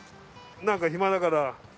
んか暇だから。